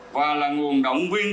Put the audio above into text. và là nguồn động viên